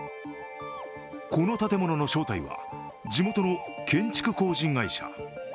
この建物の正体は地元の建築工事会社。